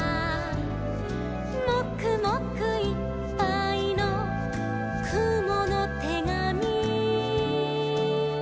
「もくもくいっぱいのくものてがみ」